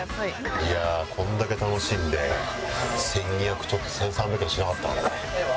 いやあこれだけ楽しんで１２００ちょっと１３００円しなかったからね。